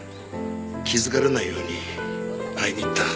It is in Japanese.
気づかれないように会いに行った。